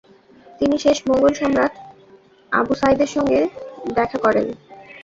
তিনি শেষ মোঙ্গল সম্রাট আবু সাইদের সাথে দেখা করেন।